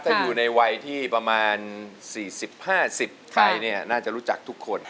ถ้าอยู่ในวัยที่ประมาณ๔๐๕๐ไปเนี่ยน่าจะรู้จักทุกคน